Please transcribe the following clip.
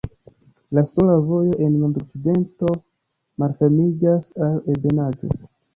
La sola vojo en nordokcidento malfermiĝas al ebenaĵo.